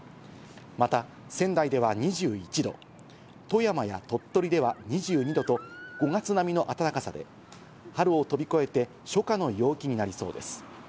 また仙台では２１度、富山や鳥取では２２度と、５月並みの暖かさで、春を飛び越えて初夏の陽気になりそうです。